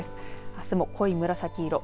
あすも濃い紫色